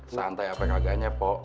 santai apa kagaknya pok